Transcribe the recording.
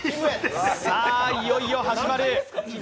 さあ、いよいよ始まる。